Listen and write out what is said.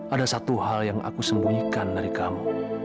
ada satu hal yang aku sembunyikan dari kamu